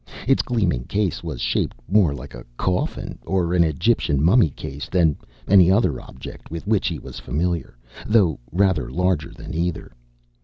Its gleaming case was shaped more like a coffin, or an Egyptian mummy case, than any other object with which he was familiar, though rather larger than either.